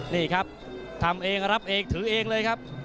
นี่ครับทำเองรับเองถือเองเลยครับ